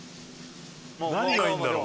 何がいいんだろう？